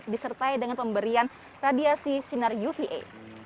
disertai dengan pemberian radiasi sinar uva